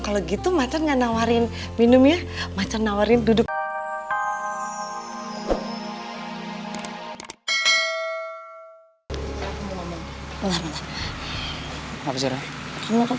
kalau gitu macen nganawarin minum ya macen nawarin duduk